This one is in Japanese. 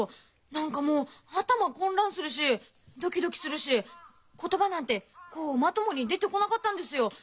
何かもう頭混乱するしドキドキするし言葉なんてこうまともに出てこなかったんですよ。